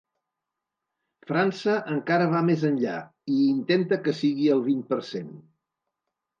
França encara va més enllà i intenta que sigui el vint per cent.